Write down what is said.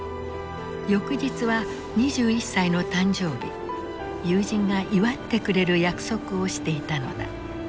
翌日は２１歳の誕生日友人が祝ってくれる約束をしていたのだ。